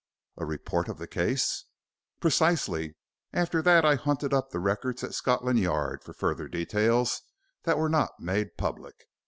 "A report of the case?" "Precisely. And after that I hunted up the records at Scotland Yard for further details that were not made public.